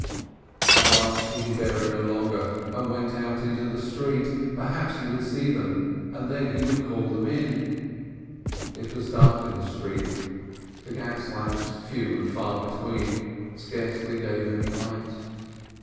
At last he could bear it no longer, and went out into the street; perhaps he would see them, and then he would call them in. It was dark in the street; the gas lamps, few and far between, scarcely gave any light.